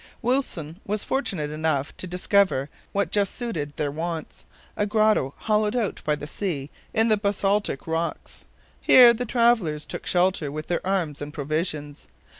Wilson was fortunate enough to discover what just suited their wants: a grotto hollowed out by the sea in the basaltic rocks. Here the travelers took shelter with their arms and provisions.